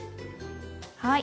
はい。